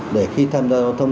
để khi tham gia giao thông